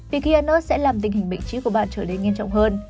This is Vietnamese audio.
vì khi ăn ớt sẽ làm tình hình bệnh trĩ của bạn trở nên nghiêm trọng hơn